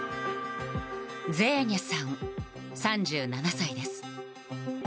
ゼーニャさん、３７歳です。